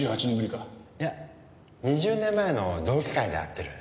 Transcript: いや２０年前の同期会で会ってる。